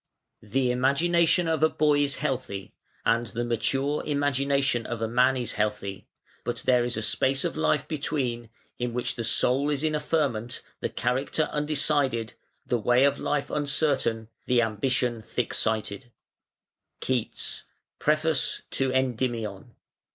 The imagination of a boy is healthy, and the mature imagination of a man is healthy, but there is a space of life between, in which the soul is in a ferment, the character undecided, the way of life uncertain, the ambition thick sighted. (KEATS, Preface to "Endymion".)